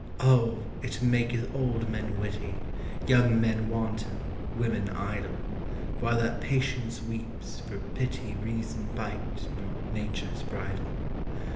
Oh! it maketh old men witty, Young men wanton, women idle, While that patience weeps, for pity Reason bite not nature's bridle.